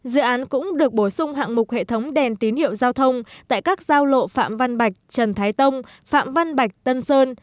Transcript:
dự án cũng được bổ sung hạng mục hệ thống đèn tín hiệu giao thông tại các giao lộ phạm văn bạch trần thái tông phạm văn bạch tân sơn